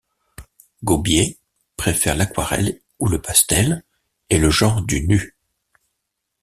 Gobiet préfère l'aquarelle ou le pastel et le genre du nu.